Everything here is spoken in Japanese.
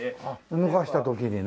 動かした時にね。